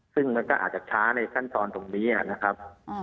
ซึ่งมันก็อาจจะช้าในขั้นตอนตรงนี้นะครับ